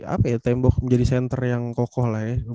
apa ya tembok menjadi senter yang kokoh lah ya